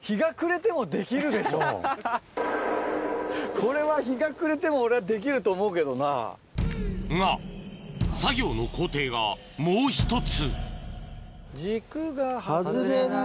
これは日が暮れても俺はできると思うけどな。が作業の工程がもう１つ